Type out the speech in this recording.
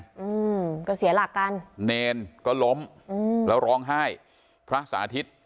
อืมก็เสียหลักกันเนรก็ล้มอืมแล้วร้องไห้พระสาธิต